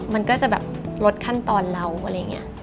มันก็จะแบบลดขั้นตอนเราอะไรอย่างนี้